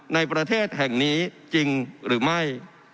ในประเทศแห่งนี้จริงหรือไม่